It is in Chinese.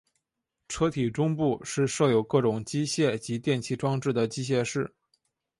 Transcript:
车体中部是设有各种机械及电气装置的机械室。